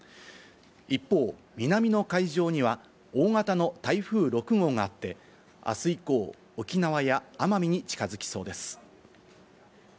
一方、南の海上には大型の台風６号があって、あす以降、沖縄や奄美に近づきそうです。